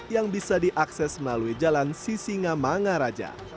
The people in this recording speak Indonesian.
yang bisa diakses melalui jalan sisinga mangaraja